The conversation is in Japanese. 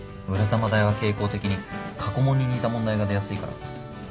浦玉大は傾向的に過去問に似た問題が出やすいから。